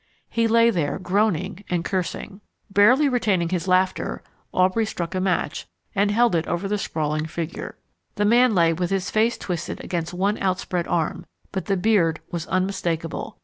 He lay there groaning and cursing. Barely retaining his laughter, Aubrey struck a match and held it over the sprawling figure. The man lay with his face twisted against one out spread arm, but the beard was unmistakable.